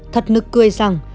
thật nực cười rằng